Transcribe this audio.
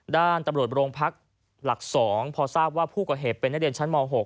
ด้านตำรวจโรงพักหลัก๒พอทราบว่าผู้ก่อเหตุเป็นนักเรียนชั้นม๖